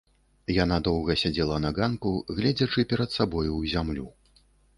Яна доўга сядзела на ганку, гледзячы перад сабою ў зямлю.